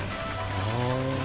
ああ。